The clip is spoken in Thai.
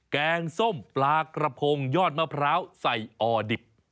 แกงส้มปลากระพงยอดมะพร้าวใส่อ่อดิบ